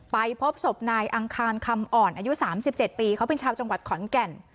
พบศพนายอังคารคำอ่อนอายุ๓๗ปีเขาเป็นชาวจังหวัดขอนแก่น